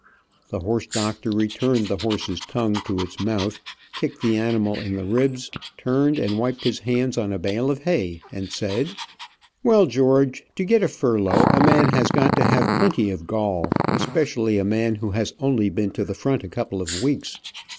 The horse doctor returned the horse's tongue to it's mouth, kicked the animal in the ribs, turned and wiped his hands on a bale of hay, and said: "Well, George, to get a furlough a man has got to have plenty of gall, especially a man who has only been to the front a couple of weeks.